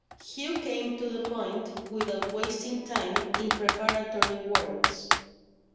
Hugh came to the point, without wasting time in preparatory words.